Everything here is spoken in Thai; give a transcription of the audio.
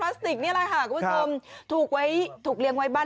สติกนี่แหละค่ะคุณผู้ชมถูกไว้ถูกเลี้ยงไว้บ้าน